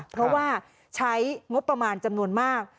เพราะว่าใช้งบประมาณจำนวนมาก